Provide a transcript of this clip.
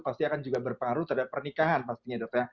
pasti akan juga berpengaruh terhadap pernikahan pastinya dok ya